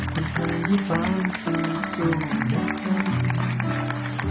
คุณเคยอยู่บ้านสูงและเค้า